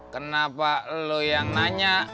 kenapa lu yang nanya